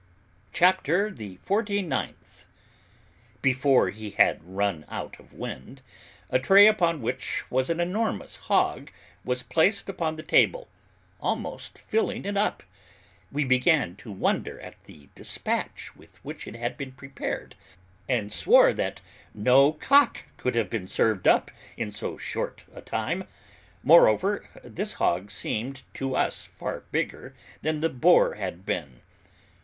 '" CHAPTER THE FORTY NINTH. Before he had run out of wind, a tray upon which was an enormous hog was placed upon the table, almost filling it up. We began to wonder at the dispatch with which it had been prepared and swore that no cock could have been served up in so short a time; moreover, this hog seemed to us far bigger than the boar had been.